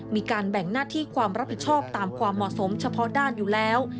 มีการแบ่งหน้าที่ความรับผิดชอบตามความเหมาะสมเฉพาะด้านอยู่แล้ว